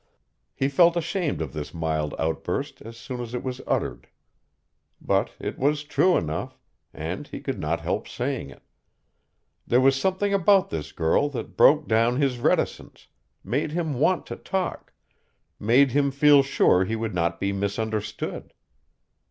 He felt ashamed of this mild outburst as soon as it was uttered. But it was true enough, and he could not help saying it. There was something about this girl that broke down his reticence, made him want to talk, made him feel sure he would not be misunderstood.